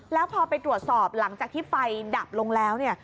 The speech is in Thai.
แล้วพอไปตรวจสอบหลังจากที่ไฟดับลงแล้วเนี่ย